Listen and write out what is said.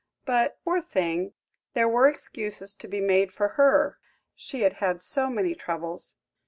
But, poor thing, there were excuses to be made for her; she had had so many troubles.